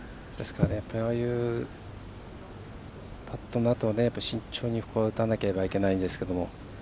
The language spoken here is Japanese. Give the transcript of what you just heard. こういうパットのあとは慎重に打たなければいけないですけど。